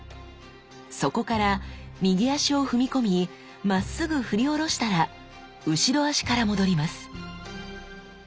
そこから右足を踏み込みまっすぐふり下ろしたら後ろ足から戻ります。